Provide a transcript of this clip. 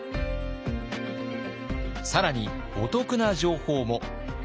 更にお得な情報も！